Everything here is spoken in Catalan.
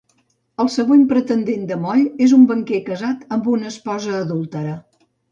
El següent pretendent de Moll és un banquer casat amb una esposa adúltera.